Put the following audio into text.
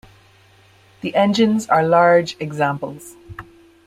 The engines are large examples.